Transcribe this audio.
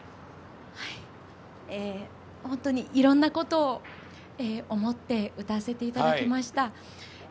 本当に、いろんなことを思って歌わせていただきました。